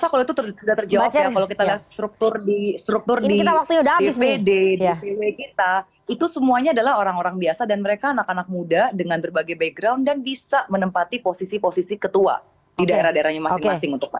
kalau itu sudah terjawab ya kalau kita lihat struktur di dpd dpw kita itu semuanya adalah orang orang biasa dan mereka anak anak muda dengan berbagai background dan bisa menempati posisi posisi ketua di daerah daerahnya masing masing